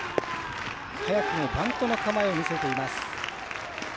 早くもバントの構えを見せています。